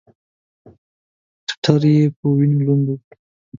ټټر یې په وینو لوند و.